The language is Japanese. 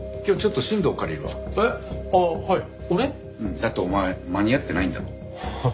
だってお前間に合ってないんだろ？